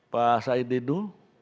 pak said didu